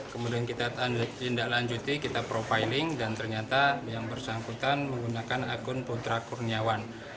kemudian kita tindak lanjuti kita profiling dan ternyata yang bersangkutan menggunakan akun putra kurniawan